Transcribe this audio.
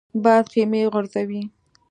باد خیمې غورځوي